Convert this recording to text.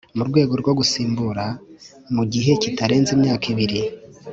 mu rwego rwo gusimbura mu gihe kitarenze imyaka ibiri